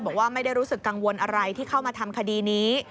บอกว่าไม่ได้รู้สึกกังวลอะไรที่เข้ามาทำคดีนี้